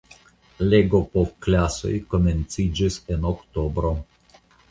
Legopovklasoj komenciĝis en oktobro.